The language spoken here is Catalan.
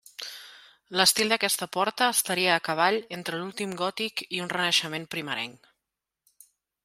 L'estil d'aquesta porta estaria a cavall entre l'últim gòtic i un renaixement primerenc.